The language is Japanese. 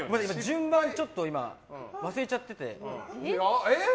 順番ちょっと今忘れちゃってて。